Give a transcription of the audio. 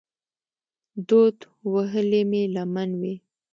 دود وهلې مې لمن وي